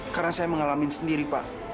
karena saya mengalamin sendiri pak